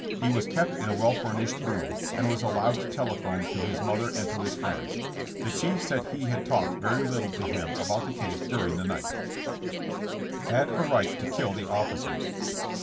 He was kept in a well furnished room, and was allowed to telephone to his mother and to his friends. The chief said he had talked very little to him about the case during the night. THK LEBDS HOLD UP. 133 HAD A RIGHT TO KILL THE OFFICERS.